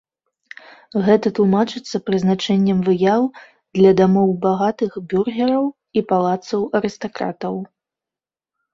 Гэта тлумачыцца прызначэннем выяў для дамоў багатых бюргераў і палацаў арыстакратаў.